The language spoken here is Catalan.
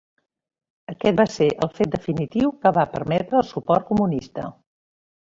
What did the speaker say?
Aquest va ser el fet definitiu que va permetre el suport comunista.